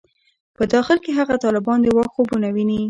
په داخل کې هغه طالبان د واک خوبونه ویني.